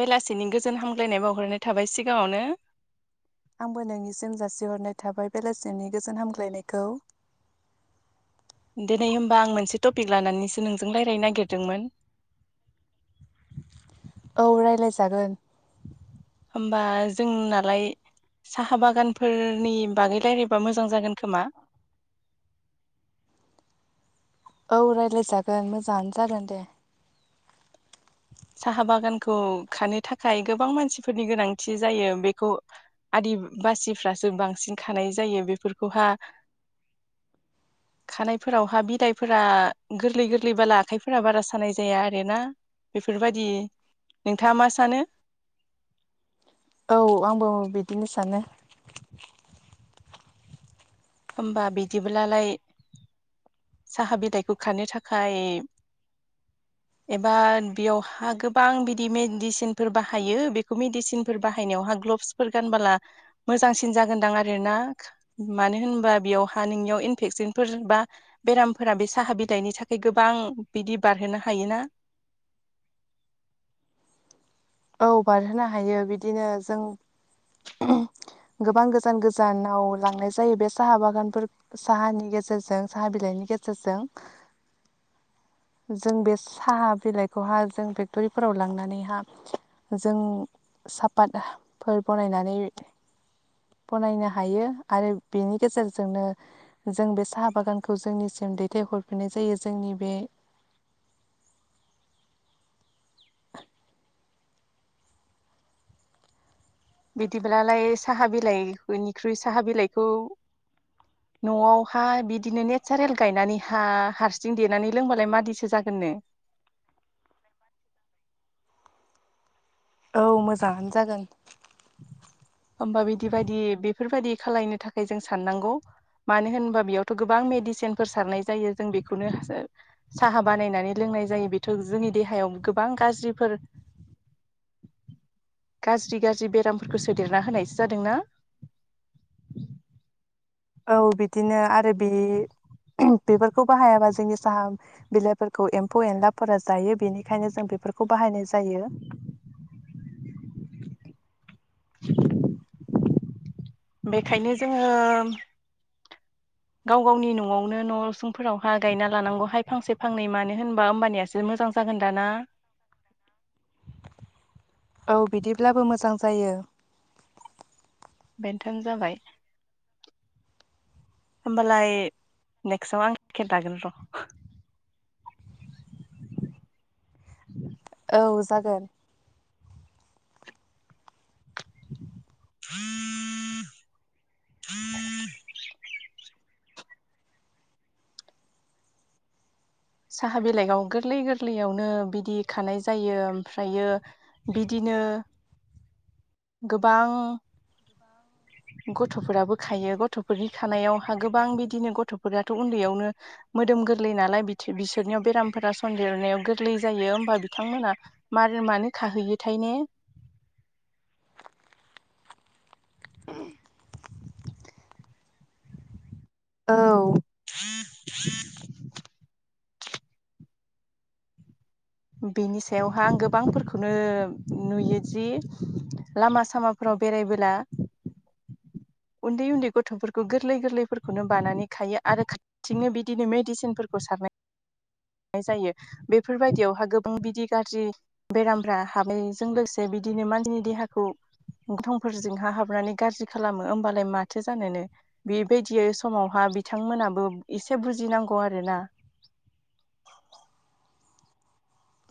बेलासिनि गोजोन हामग्लायनाय बावहरनाय थाबाय सिगाङावनो आंबो नोंनिसिम जासिहरनाय थाबाय बेलासिमनि गोजोन हामग्लायनायखौ [unintelligible] दिनै हबा आं मोनसे टपिक लानानैसो नोंजों रायज्लायनो नागिरदोंमोन औ राय्लायजागोन। होमबा जोंनालाय साहा बागानफोरनि बागै राय्लायबा मोजां जागोन खोमा? [unintelligible] औ रायज्लायजागोन मोजाङानो जागोन दे साहा बागानखौ खानो थाखाय गोबां मानसिफोरनि गोनांथि जायो बेखौ आदि बासिफ्रासो बांसिन खानाय जायो बेफोरखौहा [unintelligible] खानायफोरावहा बिदायफोरा गोरलै गोरलैबला आखाइफोरा बारा सानाय जाया आरोना बेफोरबायदि नोंथाङा मा सानो? औ आंबो बिदिनो सानो होमबा बिदिब्लालाय साहा बिलाइखौ खारनो थाखाय [unintelligible] एबा बेयावहा गोबां बिदि मेडिसिनफोर बाहायो बेखौ मेडिसिनफोर बाहायनायावहा गान मोजांसिन जागोनदां आरो ना मानो होन ा बेयावहा नोंनियाव इनफेकसनफोर बा बेरामफोरा बे साहा बिलाइनि थाखाय गोबां बिदि बारहोनो हायोना [unintelligible] औ बारहोनो हायो बिदिनो जों गोबां गोजान गोजानाव लांनाय जायो बे साहा बागानफोर साहानि गेजेरजों साहा नि गेजेरजों जों बे साहा बिलाइखौहाय जों फेक्ट'रिफोराव लांनानैहा जोंङो सापातफोर बानायनानै बानायनो हायो आरो बेनि गेजेरजोंनो जों बे साहा बागानखौ जोंनि दैथाय हरफिननाय जायो जोंनि बे [inaudible] बिदिब्लालाय साहा बिलाइनिख्रुइ साहा बिलाइखौ न'आव हा बिदिनो नेचारेल गायनानै हा हारसिं देनानै लोंबालाय मादिसो जागोन नो बां [unintelligible] औ मोजाङानो जागोन। होमबा बिदि बायदि बेफोरबायदि खालामलायनो थाखाय जों साननांगौ मानो होनोबा बेयावथ' गोबां मेडिसिनफोर सारनाय जायो जों बेखौनो साहा बानायनानै लोङो बुंनाय जायो बेथ' जोंनि देहायाव गोबां गाज्रिफोर [inaudible] गाज्रि गाज्रि बे फोरखौ सोदेरना होनायसो जादोंना औ बिदिनो आरो बे बेफोरखौ बाहायाबा जोंनि साहा बिलाइफोरखौ एम्फौ एनलाफोरा जायो बेनिखायनो जों बे बानायनाय जायो। बेखायनो जोङो गाव गावनि न'आवनो न'सुंफोरावहाय गायना लानांगौहाय फांसे फांनै मानो होनबा होमबा नियासो मोजां मोजां जागोन दाना [unintelligible] औ बिदिब्लाबो मोजां जायो। बेन्थाम जाबाय होमबालाय नेक्स्टआव आं खेन्थागोन र'। [inaudible] औ जागोन। [inaudible] [inaudible] साहा बिलाइखौ गोरलै गोरलैयावनो बिदि खानाय जायो ओमफ्रायो बिदिन नो गोबां [inaudible] गथ'फोराबो खायो गथ'फोरनि खानायावहा गोबां बिदिनो गथ'फोराथ' उन्दैयावनो मोदोम गोरलै नालाय बिसोरनियाव बेरामफोरा सन्देरनायाव गोरलै जायो हबा बिथांमोना मानो मानो खाहैयोथायनो [inaudible] औ [inaudible] बेनि सायावहाय आं गोबांफोरखौनो नुयोदि लामा सामाफ्राव बेरायबोला उन्दै उन्दै गथ'फोरखौ गोरलै गोरलैफोरखौनो बानानै खायो आरो खाथिङनो बिदिनो मेडिसिनफोरखौ सारो। [inaudible] जायो बेफोरबायदियावहा गोबां बिदि गाज्रि बेरामफ्रा हाबानायजों लोगोसे बिदि बिदिननो मानसिनि देहाखौ गनथं फोरजोंहा हाबनानै गाज्रि खालामो होमबालाय माथो जानोनो बेबायदियै समावहा बिथांमोनाबो एसे बुजिनांगौ आरोना। [inaudible]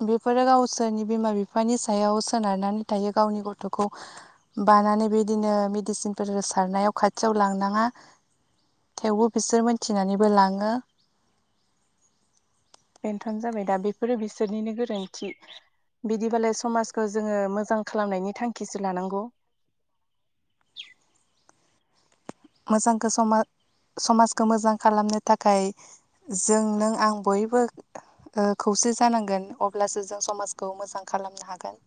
बेफोरो गावसोरनि बिमा बिफानि सायाव सोनारनानै थायो गावनि गथ'खौ बा बानानै बेदिनो मेडिसिनफोर सारनायाव खाथियाव लांनाङा थेवबो बिसोर मोनथिनानैबो लाङो। बेन्थ'न जाबाय दा बेफोरो बिसोरनिनो गोरोन्थि। बिदिबालाय समाजखौ जोङो मोजां खालामनायनि थांखिसो लानांगौ। [inaudible] मोजांखौ समाज समाजखौ मोजां खालामनो थाखाय जों नों आं बयबो ओ खौसे जानांगोन अब्लासो जों समाजखौ मोजां खालाम खालामनो हागोन।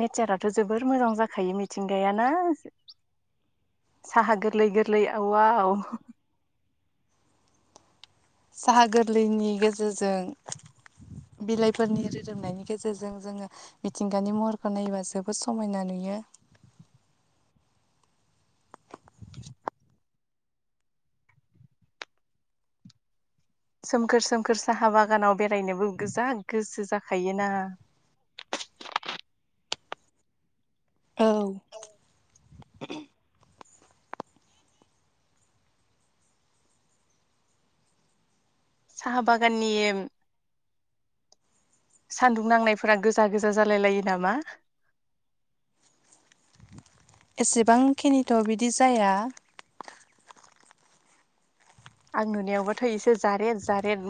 नेचाराथ' जोबोर मोजां जाखायो मिथिंगायाना साहा गोरलै गोरलै आव वाव साहा गोरलैनि गेजेरजों बिलाइफोरनि रोदोमनायनि गेजेरजों जोङो मिथिंगानि महरखौ नायोबा जोबोद समायना नुयो। यो [inaudible] सोमखोर सोमखोर साहा बागानाव बेरायनोबो गो जा गोसो जाखायोना। [inaudible] औ साहा बागाननि सान्दुं नांनायफोरा गोजा गोजा जालाय लायो नामा? एसेबांखिनिथ' बिदि जाया। आं नुनायावबाथ' एसे जारेद जारेद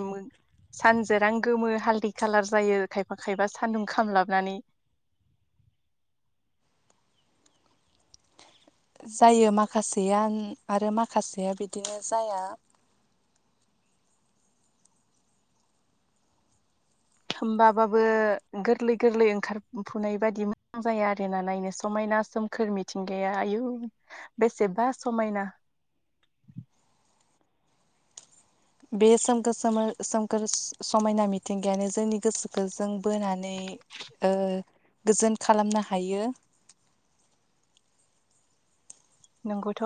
सानजेरां गोमो हालदै खाालार जायो खायफा खायफा सानदुं खामलाबनानै। [inaudible] जायो माखासेया आरो माखासेया बिदिनो जाया। होमबाबाबो गोरलै गोरलै ओंखारफुनाय बायदि मोजां जायो आरोना नायनो समायना। सोमखोर मिथिंगाया आयु बेसेबा समायना [inaudible] बे सोमखोर सोम सोमखोर समायना मिथिंगायानो जोंनि गोसोखौ जों बोनानै ओ गोजोन खालामनो हायो। नंगौथ'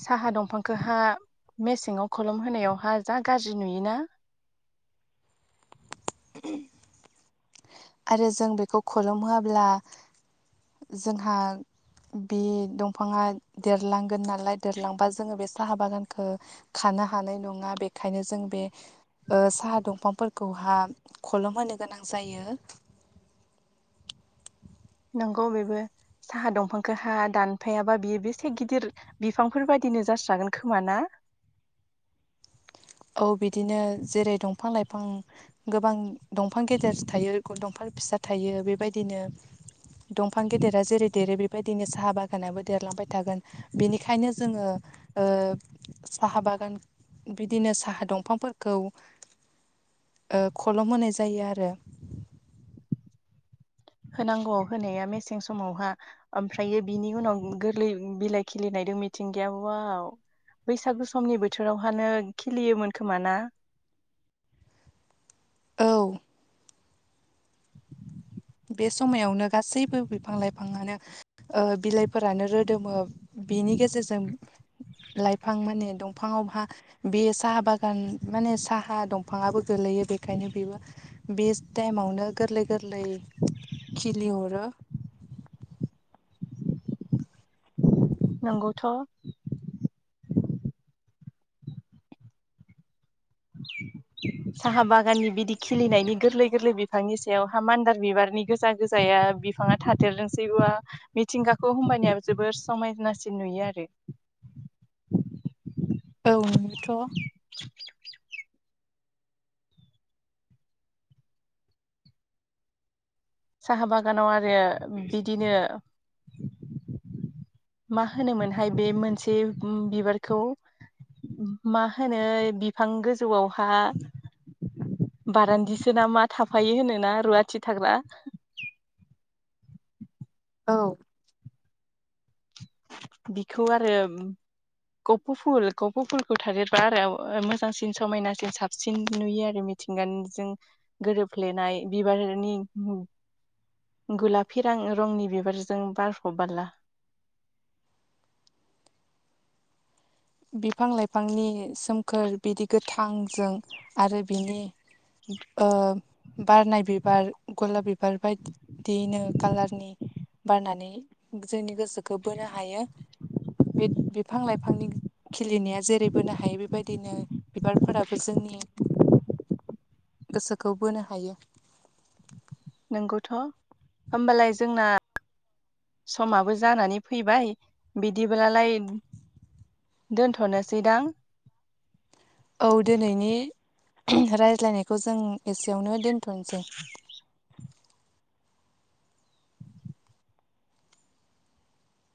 साहा दंफांखौहा मेसेङाव खोलोम होनायावहा जा गाज्रि नुयोना [inaudible] आरो जों बेखौ खलम होआब्ला जोंहा बे दंफाङा देरलांगोन नालाय देरलांबा जोङो बे साहा बागानखो खानो नो हानाय नङा बेखायनो जों बे ओ साहा दंफांफोरखौहा खलम होनो गोनां जायो। नंगौ बेबो साहा दंफांखौहा दानफायाबा बेयो बेसे गिदिर बिफांफोर बायदि नो जास्रागोन खोमा ना औ बिदिनो जेरै दंफां लाइ- फां गोबां दंफां गेदेर थायो दंफां फिसा थायो बेबायदिनो दंफां गेदेरा जेरै देरो बेबायदिनो साहा बागानाबो देरलांबाय थागोन बेनिखायनो जोङो ओ साहा बागान बिदिनो साहा दंफांफोरखौ ओ खलम होनाय जायो आरो होनांगौ होनाया मेसें समावहा ओमफ्रायो बिनि उनाव गोरलै बिलाइ खिलिनाय मिथिंगाया वाव बैसागु समनि बोथोरावहानो खिलियोमोन खोमा ना औ बे समायावनो गासैबो बिफां लाइफाङानो ओ बिलाइफोरानो रोदोमो बिनि गेजेरजों लाइफां माने दंफाङावहा बे साहा बागान माने साहा दंफाङाबो गोलै यो बेखायनो बेबो बे टाइमावनो गोरलै गोरलै खिलि हरो नंगौथ' साहा बागाननि बिदि खिलिनायनि गोरलै गोरलै बिफांनि सायावहा मान्दार बिबारनि गोजा गोजाया बिफाङा थादेरदोंसैबा मिथिंगाखौ होमबानिया जोबोर समायनासिन नुयो आरो [inaudible] औ नुयोथ' साहा बागानाव आरो बिदिनो मा होनोमोनहाय बे मोनसे बिबारखौ मा होनो बिफां गोजौवावहा बारान्दिसो ना मा थाफायो होनोना रुवाथि थाग्रा औ बिखौ आरो गफ' फुल गफ' फुलखौ थादेरबा आरो मोजांसिन समायनासिन साबसिन नुयो आरो मिथिंगानि जों गोरोबफ्लेनाय बिबारनि गुलाफि रां रंनि बिबारजों बारफ' बाला बिफां लाइफांनि सोमखोर बिदि गोथांजों आरो बिनि बारनाय बिबार गलाब बिबार बायदियैनो कालारनि बारनानै जोंनि गोसोखौ बोनो हायो बे बिफां लाइफांनि खिलिनाया जेरै बोनो हायो बेबायदिनो बिबारफोराबो जोंनि गोसोखौ बोनो हायो नंगौथ' होमबालाय जोंना समाबो जानानै फैबाय बिदिब्लालाय दोनथ'नोसै दां औ दोनैनि रायज्लायनायखौ जों एसेयावनो दोन थ'नोसै